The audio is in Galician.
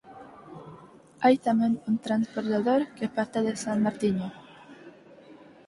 Hai tamén un transbordador que parte de San Martiño.